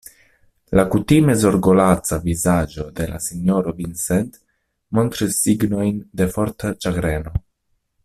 La kutime zorgolaca vizaĝo de sinjoro Vincent montris signojn de forta ĉagreno.